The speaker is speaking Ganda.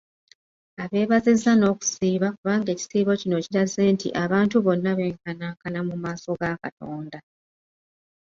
Abeebaziza n'okusiiba kubanga ekisiibo kino kiraze nti abantu bonna benkanankana mu maaso ga Katonda.